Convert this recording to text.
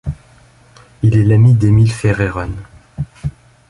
Il est l’ami d’Emile Verhaeren.